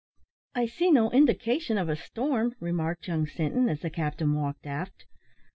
"I see no indication of a storm," remarked young Sinton, as the captain walked aft.